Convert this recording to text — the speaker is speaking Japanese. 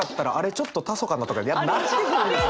ちょっと足そうかなとかなってくるんですよ！